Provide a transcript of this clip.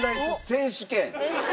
選手権。